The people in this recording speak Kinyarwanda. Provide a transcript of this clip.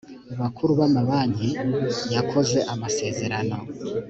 bakuru b amabanki yakoze amasezerano